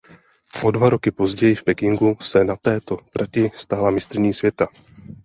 O dva roky později v Pekingu se na této trati stala mistryní světa.